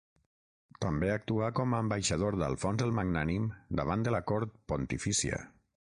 També actuà com a ambaixador d'Alfons el Magnànim davant de la cort pontifícia.